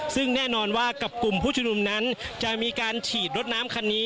ซึ่งแน่นอนว่ากับกลุ่มผู้ชุมนุมนั้นจะมีการฉีดรถน้ำคันนี้